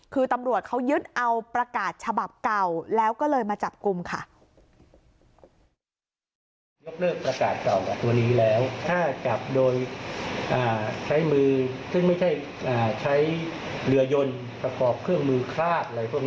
คือตำรวจเขายึดเอาประกาศฉบับเก่าแล้วก็เลยมาจับกลุ่มค่ะ